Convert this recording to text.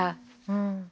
うん。